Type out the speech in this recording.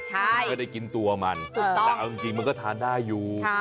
เพื่อได้กินตัวมันแต่จริงมันก็ทานได้อยู่